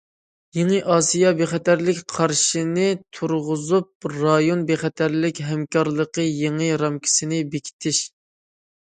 يېڭى ئاسىيا بىخەتەرلىك قارىشىنى تۇرغۇزۇپ، رايون بىخەتەرلىكى ھەمكارلىقى يېڭى رامكىسىنى بېكىتىش.